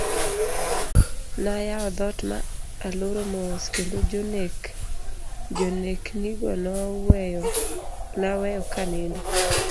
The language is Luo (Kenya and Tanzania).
Nayawo dhoot ma aloro mos ,kendo jonek ni go naweyo kanindo.